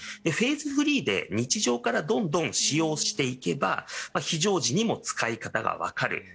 フェーズフリーで日常からどんどん使用していけば、非常時にも使い方が分かる。